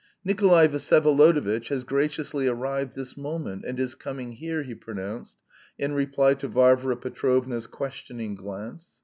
"Nikolay Vsyevolodovitch has graciously arrived this moment and is coming here," he pronounced, in reply to Varvara Petrovna's questioning glance.